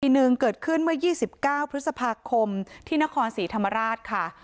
หนึ่งเกิดขึ้นเมื่อ๒๙พฤษภาคมที่นครศรีธรรมราชค่ะ